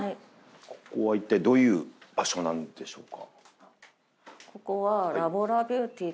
ここはいったいどういう場所なんでしょうか？